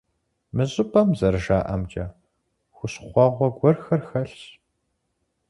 Мы щӀыпӀэм, зэрыжаӀэмкӀэ, хущхъуэгъуэ гуэрхэр хэлъщ.